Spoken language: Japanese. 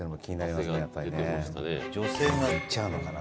女性がいっちゃうのかな。